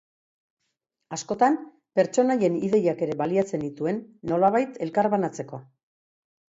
Askotan, pertsonaien ideiak ere baliatzen nituen, nolabait elkarbanatzeko.